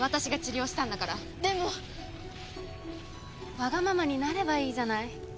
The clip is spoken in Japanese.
ワガママになればいいじゃない。